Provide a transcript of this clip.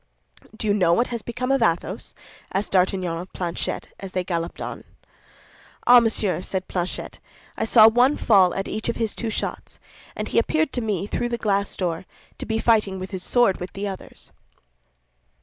"Do you know what has become of Athos?" asked D'Artagnan of Planchet, as they galloped on. "Ah, monsieur," said Planchet, "I saw one fall at each of his two shots, and he appeared to me, through the glass door, to be fighting with his sword with the others."